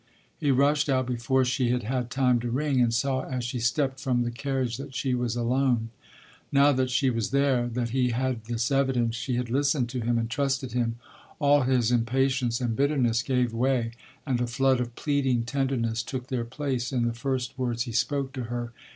He rushed out before she had had time to ring, and saw as she stepped from the carriage that she was alone. Now that she was there, that he had this evidence she had listened to him and trusted him, all his impatience and bitterness gave way and a flood of pleading tenderness took their place in the first words he spoke to her.